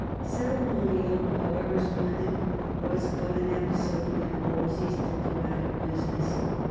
Ceremonial, however splendid, was but an episode in Wolsey's diplomatic business.